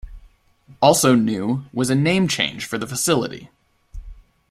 Also new was a name change for the facility.